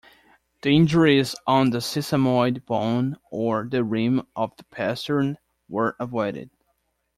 The injuries on the sesamoid bone or the rim of the pastern were avoided.